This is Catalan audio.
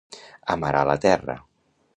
Amarar la terra.